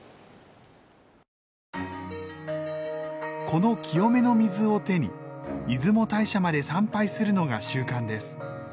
この清めの水を手に出雲大社まで参拝するのが習慣です。